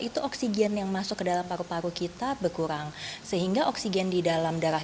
dope iyeng masuk ke dalam paru paru kita berkurang sehingga oksigen di dalam darah